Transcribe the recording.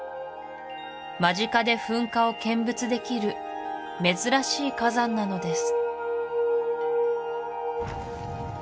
間近で噴火を見物できる珍しい火山なのです